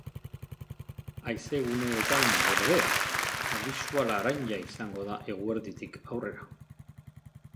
Haize-guneetan, ordea, abisua laranja izango da, eguerditik aurrera.